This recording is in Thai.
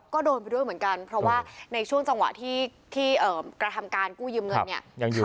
ก็โดนไปด้วยเหมือนกันเพราะว่าในช่วงจังหวะที่กระทำการกู้ยืมเงินเนี่ยยังอยู่